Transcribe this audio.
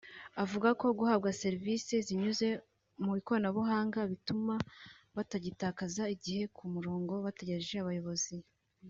avuga ko guhabwa serivisi zinyuze mu ikoranabuhanga bituma batagitakaza igihe ku mirongo bategereje abayobozi